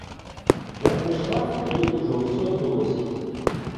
Я прыйшла, калі ўжо ўсё адбылося.